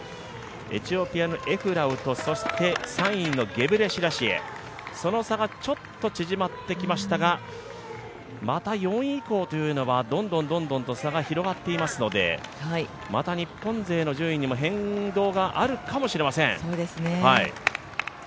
エチオピアのエフラウと３位のゲブレシラシエその差がちょっと縮まってきましたが、また４位以降というのはどんどんと差が広がっていますのでまた日本勢の順位にも変動があるかもしれません。